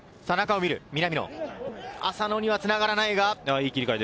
浅野にはつながらないか。